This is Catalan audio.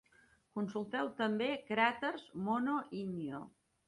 Consulteu també: cràters Mono-Inyo.